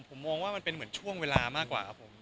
ผมมองว่ามันเป็นเหมือนช่วงเวลามากกว่าครับผม